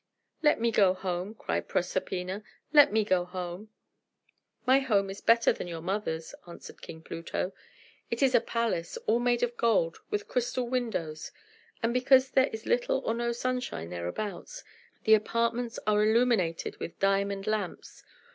"Let me go home!" cried Proserpina "let me go home!" "My home is better than your mother's," answered King Pluto. "It is a palace, all made of gold, with crystal windows; and because there is little or no sunshine thereabouts, the apartments are illuminated with diamond lamps.